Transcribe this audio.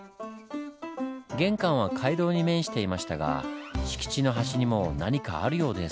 玄関は街道に面していましたが敷地の端にも何かあるようです。